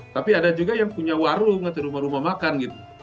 tapi ada juga yang punya warung atau rumah rumah makan gitu